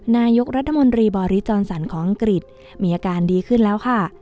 นายกรัฐมนตรีบอริจอนสันของอังกฤษมีอาการดีขึ้นแล้วค่ะ